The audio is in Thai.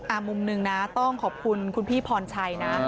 อ่ามุ่งนึงต้องขอบคุณคุณพี่พ่อนชัย